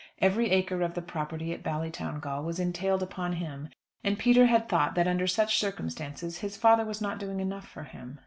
Every acre of the property at Ballytowngal was entailed upon him, and Peter had thought that under such circumstances his father was not doing enough for him.